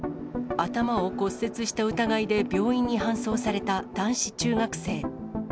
頭を骨折した疑いで病院に搬送された男子中学生。